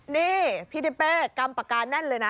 นี่พี่ทิดเป้กรรมประการแน่นเลยนะ